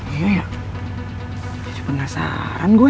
iya ya penasaran gue